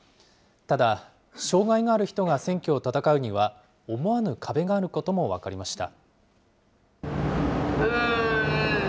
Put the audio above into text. ただ、障害がある人が選挙を戦うには、思わぬ壁があることも分かりました。